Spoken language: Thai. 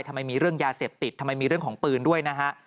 ทำไมมีเรื่องยาเสพติดทำไมมีเรื่องของปืนด้วยนะฮะ